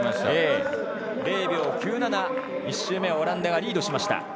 ０秒９７、１周目はオランダがリードしました。